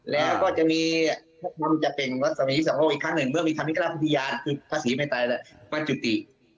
แล้วก็จะมีจะเป็นวัสดีสำโลกอีกครั้งหนึ่งเมื่อมีธรรมิกราชธิยานคือภาษีไม่ตายละก็จุติ